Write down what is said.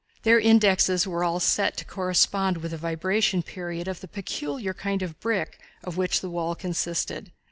Their indexes were all set to correspond with the vibration period of the peculiar kind of brick of which the wall consisted.